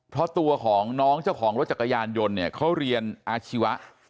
เพราะตัวของน้องเจ้าของรถจักรยานยนต์เนี่ยเขาเรียนอาชีวะ